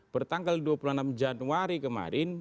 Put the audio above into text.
pertanggal dua puluh enam januari kemarin